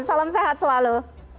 salam sehat selalu